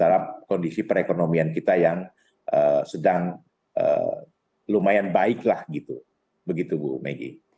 nah ini adalah tahap kondisi perekonomian kita yang sedang lumayan baiklah gitu begitu bu megi